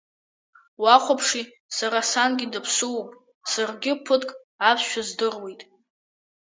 Уахәаԥши сара сангьы даԥсуоуп, саргьы ԥыҭк аԥсшәа здыруеит.